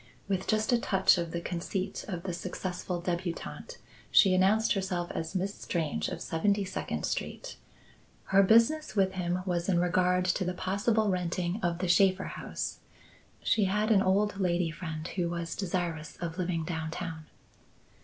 With just a touch of the conceit of the successful debutante, she announced herself as Miss Strange of Seventy second Street. Her business with him was in regard to the possible renting of the Shaffer house. She had an old lady friend who was desirous of living downtown.